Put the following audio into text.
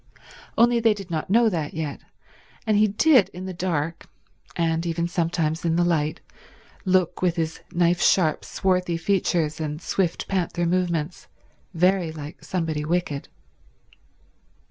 Only they did not know that yet; and he did in the dark, and even sometimes in the light, look, with his knife sharp swarthy features and swift, panther movements, very like somebody wicked.